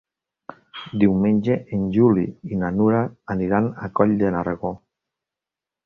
Diumenge en Juli i na Nura aniran a Coll de Nargó.